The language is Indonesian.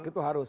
hak itu harus